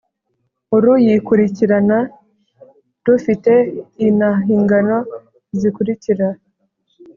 uru yikurikirana rufite inhingano zikurikira :